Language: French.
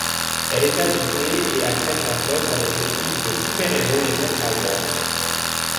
Elle est invitée et accepte un poste avec l'équipe de super-héros les Outsiders.